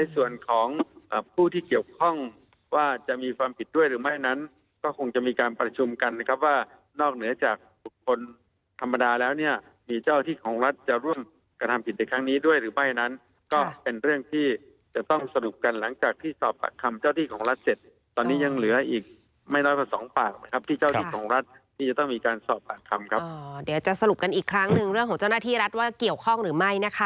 ส่วนของผู้ที่เกี่ยวข้องว่าจะมีความผิดด้วยหรือไม่นั้นก็คงจะมีการประชุมกันครับว่านอกเหนือจากคนธรรมดาแล้วเนี่ยมีเจ้าที่ของรัฐจะร่วมกระทำผิดแต่ครั้งนี้ด้วยหรือไม่นั้นก็เป็นเรื่องที่จะต้องสรุปกันหลังจากที่สอบปากคำเจ้าที่ของรัฐเสร็จตอนนี้ยังเหลืออีกไม่น้อยกว่า๒ปากครับที่เ